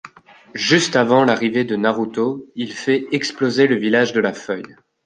Juste avant l'arrivée de Naruto, il fait exploser le village de la feuille.